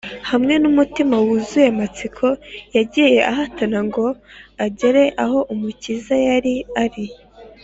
Hamwe n’umutima wuzuye amatsiko, yagiye ahatana ngo agere aho Umukiza yari ari